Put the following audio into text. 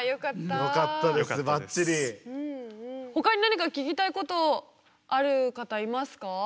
ほかに何か聞きたいことある方いますか？